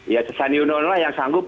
ya cezanne yunola yang sanggup